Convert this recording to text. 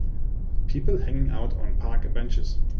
People hanging out on park benches.